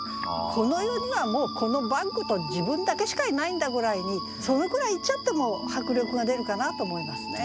この世にはもうこのバッグと自分だけしかいないんだぐらいにそのくらい言っちゃっても迫力が出るかなと思いますね。